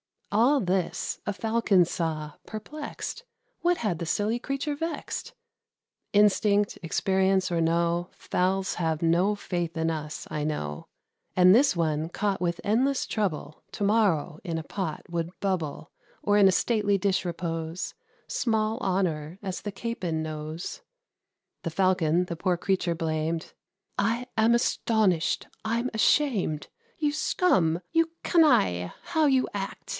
All this a Falcon saw, perplexed: What had the silly creature vexed? Instinct, experience, or no, Fowls have no faith in us, I know; And this one, caught with endless trouble, To morrow in a pot would bubble, Or in a stately dish repose Small honour, as the Capon knows. The Falcon the poor creature blamed; "I am astonished! I'm ashamed! You scum! you canaille! how you act!